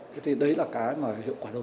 thế thì đấy là cái mà hiệu quả đâu